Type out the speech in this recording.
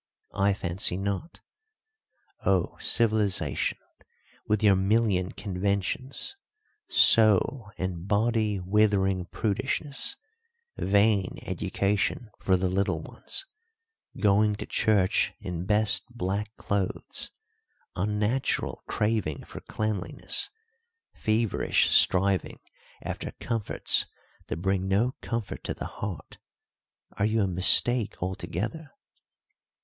I fancy not. Oh, civilisation, with your million conventions, soul and body withering prudishnesses, vain education for the little ones, going to church in best black clothes, unnatural craving for cleanliness, feverish striving after comforts that bring no comfort to the heart, are you a mistake altogether?